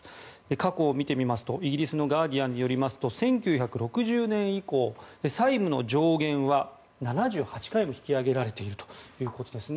過去を見てみますとイギリスのガーディアンによりますと１９６０年以降債務の上限は７８回も引き上げられているということですね。